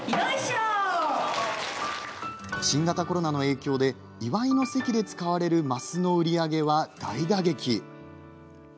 新型コロナの影響で、祝いの席で使われる升の売り上げは大打撃。